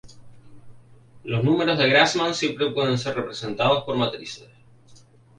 Los números de Grassmann siempre pueden ser representados por matrices.